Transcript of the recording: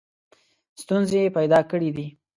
ستونزې پیدا کړي دي.